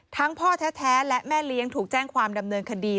พ่อแท้และแม่เลี้ยงถูกแจ้งความดำเนินคดี